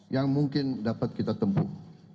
yang mungkin dapat kita tempuh